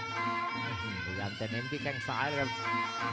ใช้แล้วคุยกันทะเม้นที่แคร์งซ้ายครับ